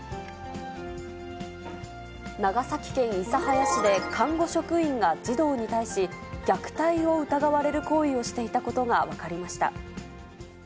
長崎県諫早市で看護職員が児童に対し、虐待を疑われる行為をしていたことが分かりました。